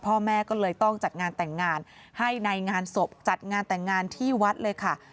พ่อแม่ก็เลยต้องจัดงานแต่งงานให้ในงานศพจัดงานแต่งงานที่วัดเลยค่ะ